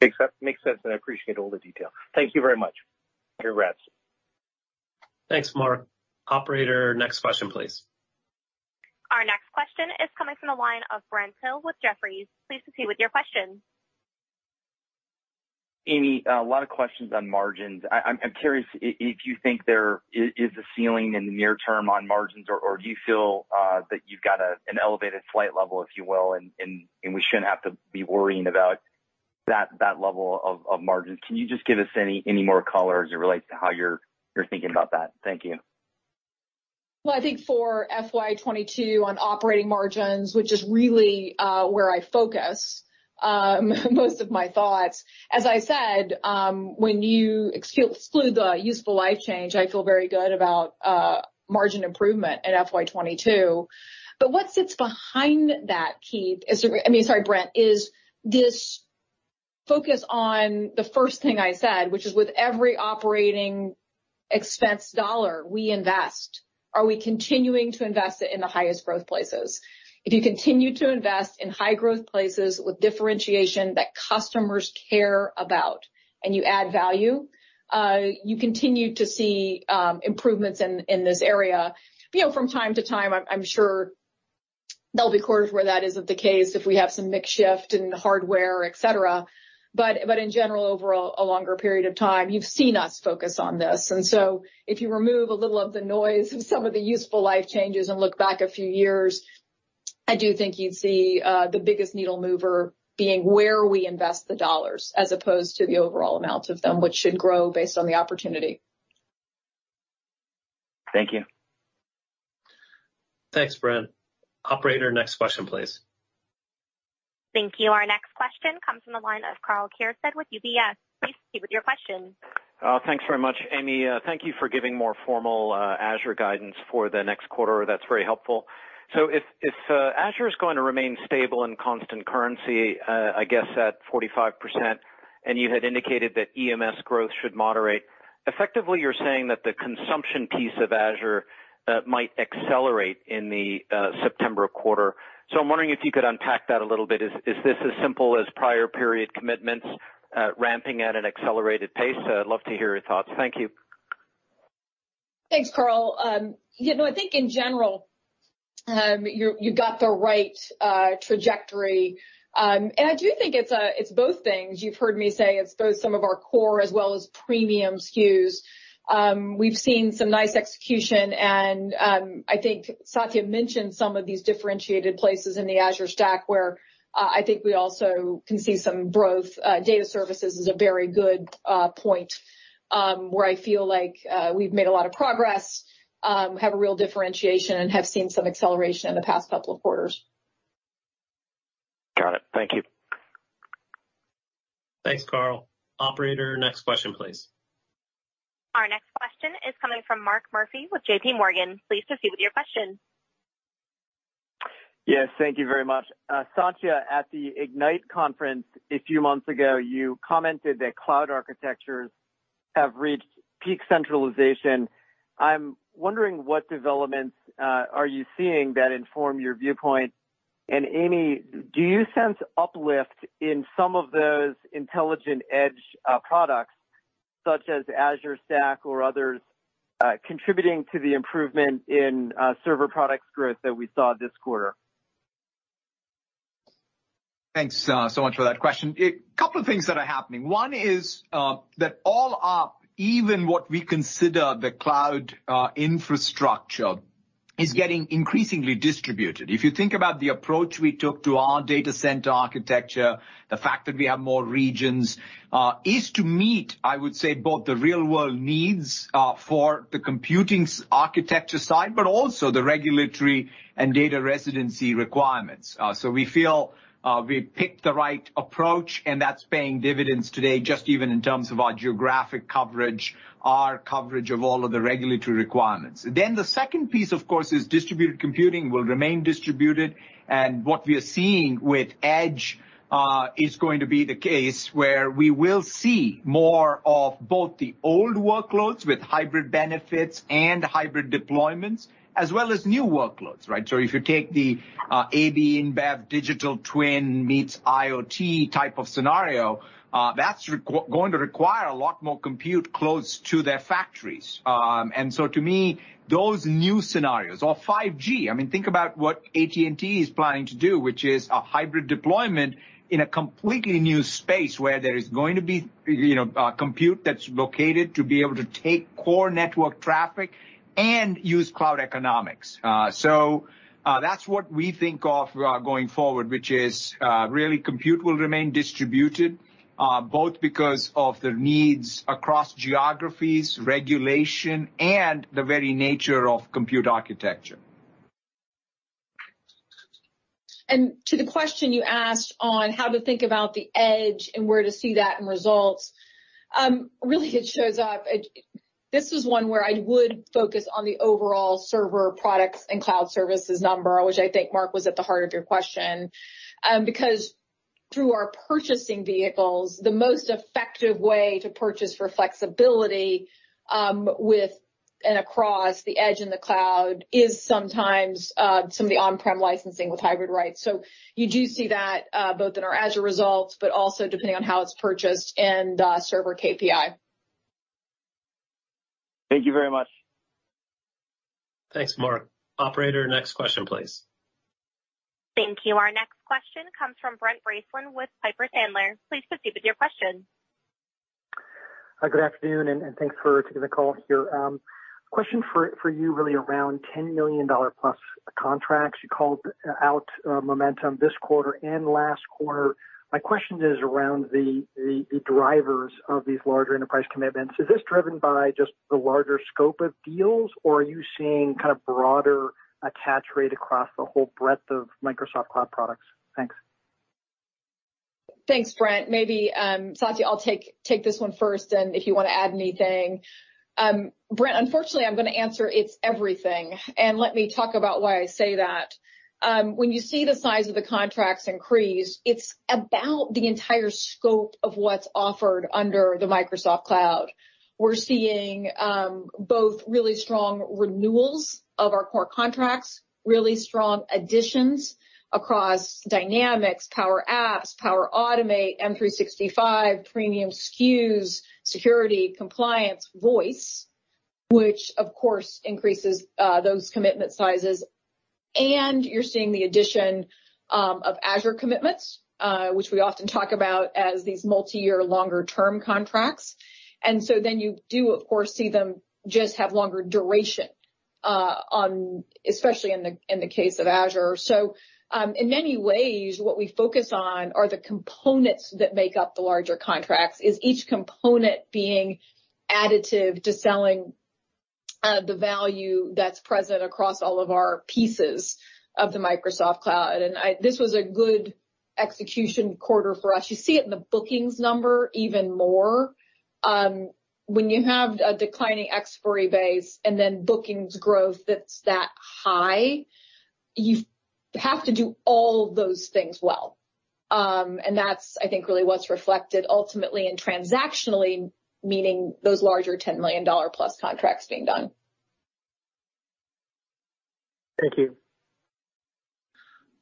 F: Makes sense. I appreciate all the detail. Thank you very much. Congrats.
B: Thanks, Mark. Operator, next question, please.
A: Our next question is coming from the line of Brent Thill with Jefferies. Please proceed with your question.
G: Amy, a lot of questions on margins. I'm curious if you think there is a ceiling in the near term on margins or do you feel that you've got an elevated flight level, if you will, and we shouldn't have to be worrying about that level of margins? Can you just give us any more color as it relates to how you're thinking about that? Thank you.
D: I think for FY 2022 on operating margins, which is really where I focus most of my thoughts. As I said, when you exclude the useful life change, I feel very good about margin improvement in FY 2022. What sits behind that, Keith, is, I mean, sorry, Brent, is this focus on the first thing I said, which is with every operating expense dollar we invest, are we continuing to invest it in the highest growth places? If you continue to invest in high growth places with differentiation that customers care about and you add value, you continue to see improvements in this area. You know, from time to time, I'm sure there'll be quarters where that isn't the case if we have some mix shift in hardware, et cetera. In general, overall, a longer period of time, you've seen us focus on this. If you remove a little of the noise of some of the useful life changes and look back a few years, I do think you'd see the biggest needle mover being where we invest the dollars as opposed to the overall amount of them, which should grow based on the opportunity.
G: Thank you.
B: Thanks, Brent. Operator, next question, please.
A: Thank you. Our next question comes from the line of Karl Keirstead with UBS. Please proceed with your question.
H: Thanks very much, Amy. Thank you for giving more formal Azure guidance for the next quarter. That's very helpful. If, if Azure is going to remain stable in constant currency, I guess at 45%, and you had indicated that EMS growth should moderate, effectively, you're saying that the consumption piece of Azure might accelerate in the September quarter. I'm wondering if you could unpack that a little bit. Is this as simple as prior period commitments ramping at an accelerated pace? I'd love to hear your thoughts. Thank you.
D: Thanks, Karl. You know, I think in general, you've got the right trajectory. I do think it's both things. You've heard me say it's both some of our core as well as premium SKUs. We've seen some nice execution and I think Satya mentioned some of these differentiated places in the Azure Stack where I think we also can see some growth. Data services is a very good point where I feel like we've made a lot of progress, have a real differentiation and have seen some acceleration in the past couple of quarters.
H: Got it. Thank you.
B: Thanks, Karl. Operator, next question, please.
A: Our next question is coming from Mark Murphy with JPMorgan. Please proceed with your question.
I: Yes, thank you very much. Satya, at the Microsoft Ignite a few months ago, you commented that cloud architectures have reached peak centralization. I'm wondering what developments are you seeing that inform your viewpoint? Amy, do you sense uplift in some of those Azure Edge products such as Azure Stack or others, contributing to the improvement in server products growth that we saw this quarter?
C: Thanks so much for that question. A couple of things that are happening. One is that all up, even what we consider the cloud infrastructure is getting increasingly distributed. If you think about the approach we took to our data center architecture, the fact that we have more regions is to meet, I would say, both the real world needs for the computing architecture side, but also the regulatory and data residency requirements. So we feel we picked the right approach, and that's paying dividends today, just even in terms of our geographic coverage, our coverage of all of the regulatory requirements. The second piece, of course, is distributed computing will remain distributed. What we are seeing with Edge is going to be the case where we will see more of both the old workloads with hybrid benefits and hybrid deployments, as well as new workloads, right? If you take the AB InBev digital twin meets IoT type of scenario, that's going to require a lot more compute close to their factories. To me, those new scenarios or 5G, I mean, think about what AT&T is planning to do, which is a hybrid deployment in a completely new space where there is going to be, you know, compute that's located to be able to take core network traffic and use cloud economics. That's what we think of going forward, which is really compute will remain distributed, both because of the needs across geographies, regulation, and the very nature of compute architecture.
D: To the question you asked on how to think about the Edge and where to see that in results, really it shows up. This was one where I would focus on the overall server products and cloud services number, which I think Mark was at the heart of your question. Through our purchasing vehicles, the most effective way to purchase for flexibility, with and across the Edge and the cloud is sometimes some of the on-prem licensing with hybrid rights. You do see that both in our Azure results, but also depending on how it's purchased and server KPI.
I: Thank you very much.
B: Thanks, Mark. Operator, next question, please.
A: Thank you. Our next question comes from Brent Bracelin with Piper Sandler. Please proceed with your question.
J: Good afternoon, and thanks for taking the call here. Question for you really around $10+ million contracts. You called out momentum this quarter and last quarter. My question is around the drivers of these larger enterprise commitments. Is this driven by just the larger scope of deals, or are you seeing kind of broader attach rate across the whole breadth of Microsoft cloud products? Thanks.
D: Thanks, Brent. Maybe, Satya, I'll take this one first, if you want to add anything. Brent, unfortunately, I'm going to answer it's everything, let me talk about why I say that. When you see the size of the contracts increase, it's about the entire scope of what's offered under the Microsoft cloud. We're seeing both really strong renewals of our core contracts, really strong additions across Dynamics, Power Apps, Power Automate, M365, premium SKUs, security, compliance, Voice, which of course increases those commitment sizes. You're seeing the addition of Azure commitments, which we often talk about as these multi-year longer term contracts. You do, of course, see them just have longer duration on especially in the case of Azure. In many ways, what we focus on are the components that make up the larger contracts. Is each component being additive to selling, the value that's present across all of our pieces of the Microsoft Cloud? This was a good execution quarter for us. You see it in the bookings number even more. When you have a declining expiry base and then bookings growth that's that high, you have to do all those things well. That's, I think, really what's reflected ultimately and transactionally, meaning those larger $10+ million contracts being done.
J: Thank you.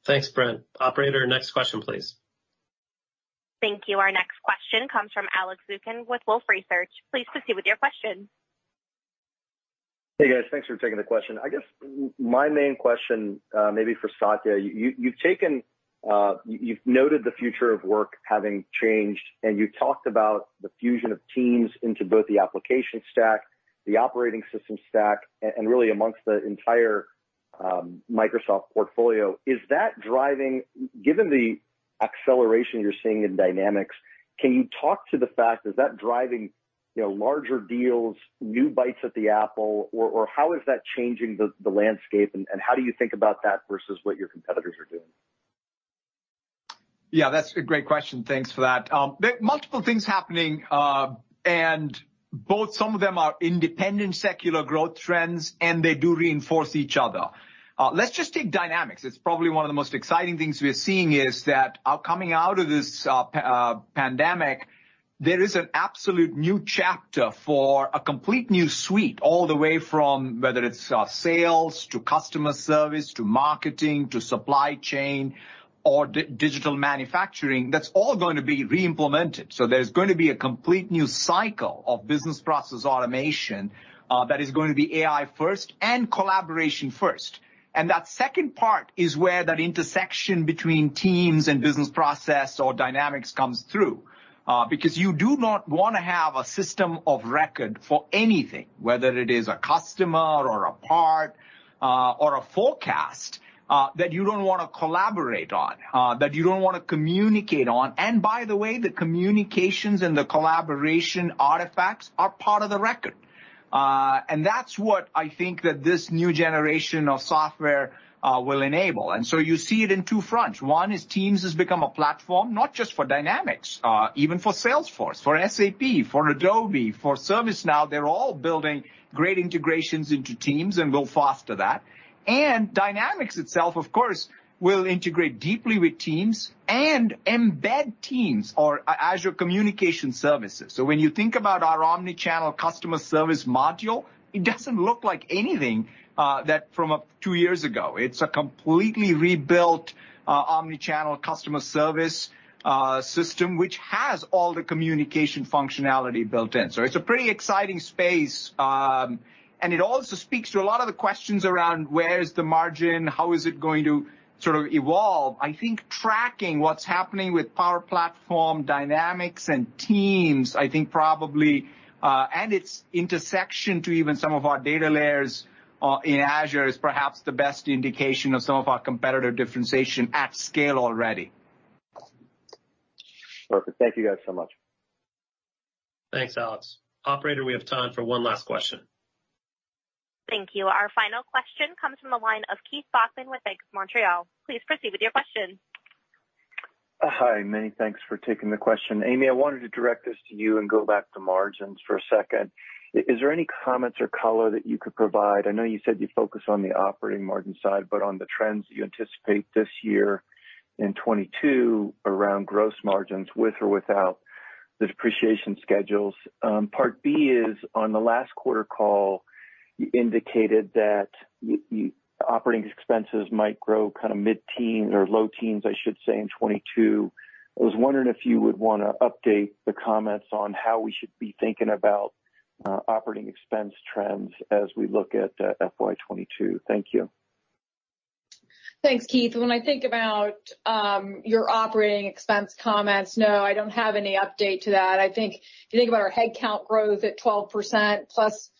B: Thanks, Brent. Operator, next question, please.
A: Thank you. Our next question comes from Alex Zukin with Wolfe Research. Please proceed with your question.
K: Hey, guys. Thanks for taking the question. I guess my main question, maybe for Satya, you've taken, you've noted the future of work having changed, and you talked about the fusion of Teams into both the application stack, the operating system stack, and really amongst the entire Microsoft portfolio. Is that driving, given the acceleration you're seeing in Dynamics, can you talk to the fact, is that driving, you know, larger deals, new bites at the apple or how is that changing the landscape and how do you think about that versus what your competitors are doing?
C: That's a great question. Thanks for that. Multiple things happening, and both some of them are independent secular growth trends, and they do reinforce each other. Let's just take Dynamics. It's probably one of the most exciting things we're seeing is that, coming out of this pandemic, there is an absolute new chapter for a complete new suite all the way from whether it's sales to customer service, to marketing, to supply chain or digital manufacturing. That's all going to be re-implemented. There's going to be a complete new cycle of business process automation that is going to be AI first and collaboration first. That second part is where that intersection between Teams and business process or Dynamics comes through. Because you do not wanna have a system of record for anything, whether it is a customer or a part, or a forecast, that you don't wanna collaborate on, that you don't wanna communicate on. By the way, the communications and the collaboration artifacts are part of the record. That's what I think that this new generation of software will enable. You see it in two fronts. One is Teams has become a platform, not just for Dynamics, even for Salesforce, for SAP, for Adobe, for ServiceNow. They're all building great integrations into Teams and will foster that. Dynamics itself, of course, will integrate deeply with Teams and embed Teams or Azure Communication Services. When you think about our omni-channel customer service module, it doesn't look like anything that from two years ago. It's a completely rebuilt, omni-channel customer service system which has all the communication functionality built in. It's a pretty exciting space. It also speaks to a lot of the questions around where is the margin? How is it going to sort of evolve? I think tracking what's happening with Power Platform, Dynamics and Teams, I think probably, and its intersection to even some of our data layers, in Azure is perhaps the best indication of some of our competitive differentiation at scale already.
K: Perfect. Thank you guys so much.
B: Thanks, Alex. Operator, we have time for one last question.
A: Thank you. Our final question comes from the line of Keith Bachman with Bank of Montreal. Please proceed with your question.
L: Hi. Many thanks for taking the question. Amy, I wanted to direct this to you and go back to margins for a second. Is there any comments or color that you could provide? I know you said you focus on the operating margin side, but on the trends you anticipate this year in 2022 around gross margins with or without the depreciation schedules. Part B is on the last quarter call, you indicated that operating expenses might grow kind of mid-teen or low teens, I should say, in 2022. I was wondering if you would wanna update the comments on how we should be thinking about operating expense trends as we look at FY 2022. Thank you.
D: Thanks, Keith. When I think about your operating expense comments, no, I don't have any update to that. I think if you think about our headcount growth at 12%+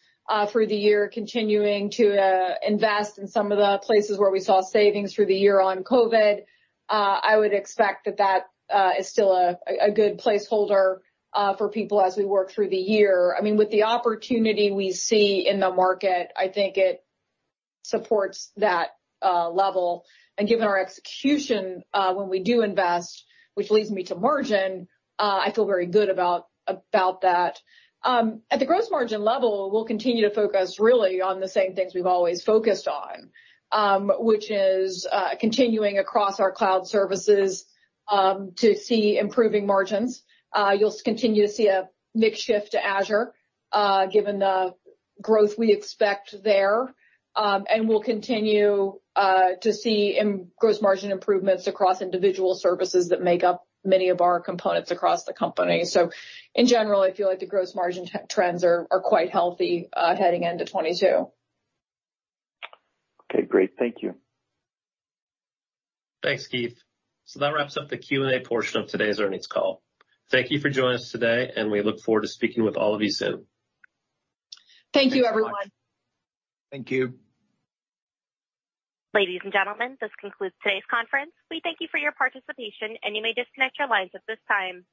D: through the year, continuing to invest in some of the places where we saw savings through the year on COVID, I would expect that that is still a good placeholder for people as we work through the year. I mean, with the opportunity we see in the market, I think it supports that level. Given our execution, when we do invest, which leads me to margin, I feel very good about that. At the gross margin level, we'll continue to focus really on the same things we've always focused on, which is continuing across our cloud services, to see improving margins. You'll continue to see a mix shift to Azure, given the growth we expect there. We'll continue to see gross margin improvements across individual services that make up many of our components across the company. In general, I feel like the gross margin trends are quite healthy, heading into 2022.
L: Okay, great. Thank you.
B: Thanks, Keith. That wraps up the Q&A portion of today's earnings call. Thank you for joining us today, and we look forward to speaking with all of you soon.
D: Thank you, everyone.
C: Thank you.
A: Ladies and gentlemen, this concludes today's conference. We thank you for your participation, and you may disconnect your lines at this time.